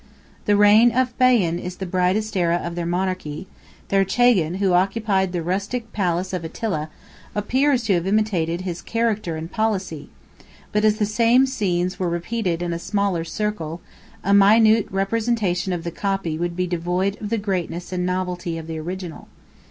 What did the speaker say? The reign of Baian is the brightest aera of their monarchy; their chagan, who occupied the rustic palace of Attila, appears to have imitated his character and policy; 23 but as the same scenes were repeated in a smaller circle, a minute representation of the copy would be devoid of the greatness and novelty of the original.